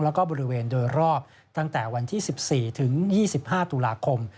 แล้วก็บริเวณโดยรอบตั้งแต่วันที่๑๔ถึง๒๕ตุลาคม